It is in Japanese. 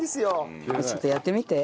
ちょっとやってみて。